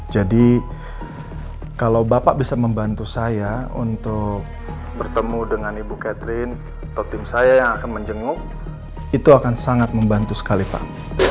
jadi kalau bapak bisa membantu saya untuk bertemu dengan ibu catherine atau tim saya yang akan menjenguk itu akan sangat membantu sekali pak